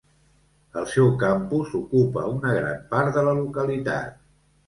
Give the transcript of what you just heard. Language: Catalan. El seu campus ocupa una gran part de la localitat.